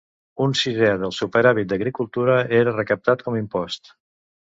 Un sisè del superàvit d'agricultura era recaptat com impost.